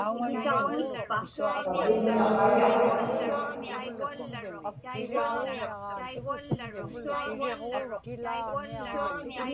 pakimna qayaq